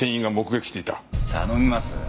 頼みます。